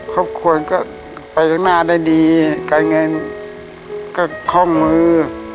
ครอบครัวก็ไปข้างหน้าได้ดีการเงินก็ข้อมือ